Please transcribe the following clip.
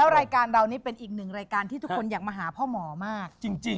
รายการเรานี่เป็นอีกหนึ่งรายการที่ทุกคนอยากมาหาพ่อหมอมากจริง